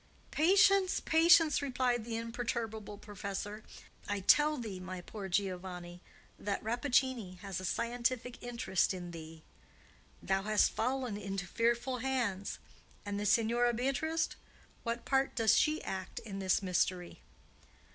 "Patience! patience!" replied the imperturbable professor. "I tell thee, my poor Giovanni, that Rappaccini has a scientific interest in thee. Thou hast fallen into fearful hands! And the Signora Beatrice,—what part does she act in this mystery?"